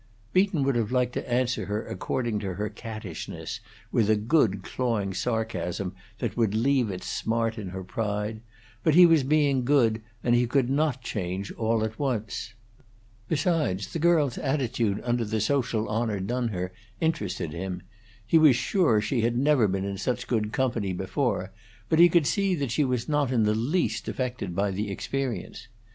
Beaton would have liked to answer her according to her cattishness, with a good clawing sarcasm that would leave its smart in her pride; but he was being good, and he could not change all at once. Besides, the girl's attitude under the social honor done her interested him. He was sure she had never been in such good company before, but he could see that she was not in the least affected by the experience.